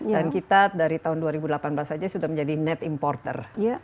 dan kita dari tahun dua ribu delapan belas saja sudah menjadi net importer